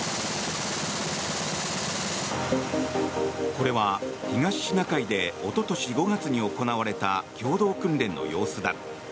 これは東シナ海でおととし５月に行われた共同訓練の様子だ。